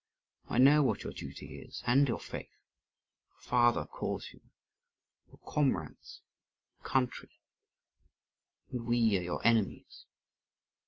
I know what your duty is, and your faith. Your father calls you, your comrades, your country, and we are your enemies."